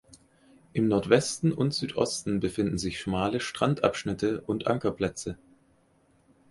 Im Nordwesten und Südosten befinden sich schmale Strandabschnitte und Ankerplätze.